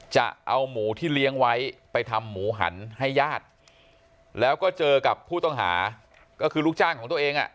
จะเอาหมูที่เลี้ยงไว้ไปทำหมูหันให้ญาติแล้วก็เจอกับผู้ต้องหาก็คือลูกจ้างของตัวเองอ่ะ